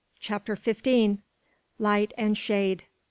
CHAPTER FIFTEEN. LIGHT AND SHADE.